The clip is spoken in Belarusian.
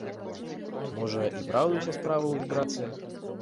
Можа, і праўда ўся справа ў вібрацыях?